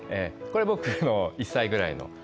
これ僕の１歳ぐらいの。